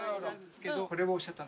これをおっしゃった？